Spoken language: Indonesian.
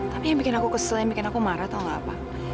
tapi yang bikin aku kesel yang bikin aku marah atau enggak apa